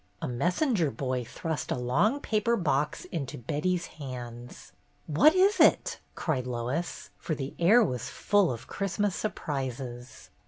A messenger boy thrust a long paper box into Betty's hands. "What is it?" cried Lois, for the air was full of Christmas surprises.